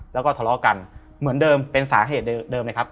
แล้วก็ทะเลาะกันเหมือนเดิมเป็นสาเหตุเดิมเลยครับ